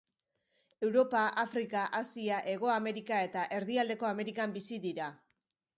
Europa, Afrika, Asia, Hego Amerika eta Erdialdeko Amerikan bizi dira.